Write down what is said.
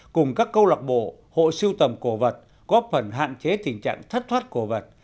cùng các câu lạc bộ hội siêu tầm cổ vật góp phần hạn chế tình trạng thất thoát cổ vật